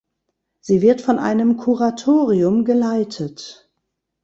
Sie wird von einem Kuratorium geleitet.